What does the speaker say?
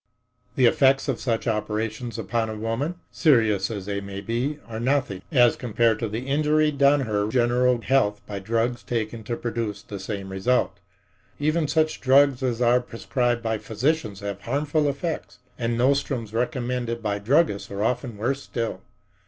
The effects of such operations upon a woman, serious as they may be, are nothing as compared to the injury done her general health by drugs taken to produce the same result. Even such drugs as are prescribed by physicians have harmful effects, and nostrums recommended by druggists are often worse still.